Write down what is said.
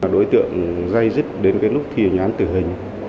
đối tượng dây dứt đến cái lúc khi nhắn tự hình